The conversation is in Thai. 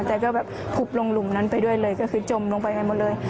แต่ก็แบบผุบลงหลุมนั้นไปด้วยเลยก็คือจมลงไปให้หมดเลย